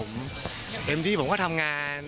จนทีผมก็ทำงาน